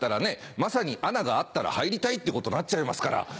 まさに「アナがあったら入りたい」ってことなっちゃいますから。